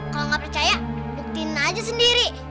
kalo gak percaya duktiin aja sendiri